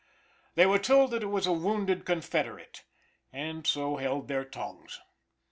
They were told that it was a wounded confederate, and so held their tongues.